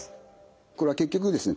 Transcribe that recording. これは結局ですね